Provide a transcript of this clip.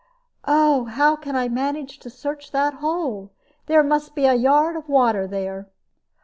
Oh, how can I manage to search that hole? There must be a yard of water there."